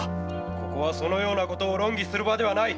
ここはそのような論議をする場ではない！